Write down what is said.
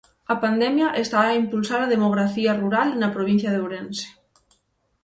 A pandemia está a impulsar a demografía rural na provincia de Ourense.